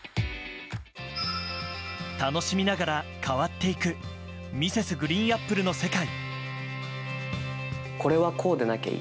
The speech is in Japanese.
楽しみながら変わっていくＭｒｓ．ＧＲＥＥＮＡＰＰＬＥの世界。